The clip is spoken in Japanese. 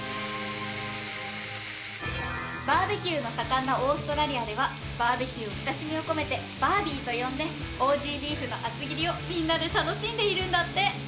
バーベキューの盛んなオーストラリアではバーベキューを親しみを込めてバービーと呼んでオージー・ビーフの厚切りをみんなで楽しんでいるんだって！